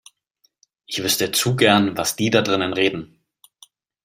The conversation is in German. Ich wüsste zu gern, was die da drinnen reden.